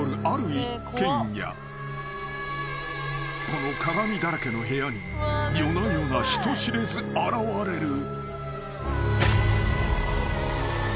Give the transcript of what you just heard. ［この鏡だらけの部屋に夜な夜な人知れず現れる］